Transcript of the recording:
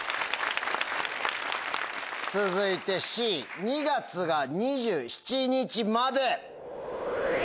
続いてＣ「２月が２７日まで」。